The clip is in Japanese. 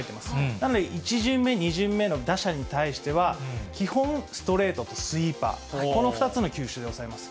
なので、１巡目、２巡目の打者に対しては、基本、ストレートとスイーパー、この２つの球種で抑えます。